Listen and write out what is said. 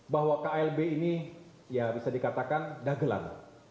bahwa klb ini ya bisa dikatakan dagelan